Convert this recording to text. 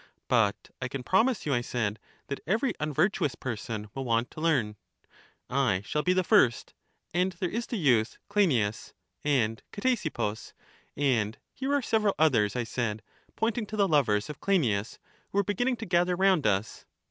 But I can promise you, I said, that every unvir tuous person will want to learn. I shall be the first; and there is the youth Cleinias, and Ctesippus: and here are several others, I said, pointing to the lovers of Cleinias, who were beginning to gather round us.